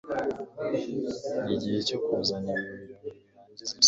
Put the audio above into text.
nigihe cyo kuzana ibi birori kurangiza, sibyo